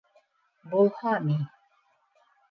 — Булһа ни?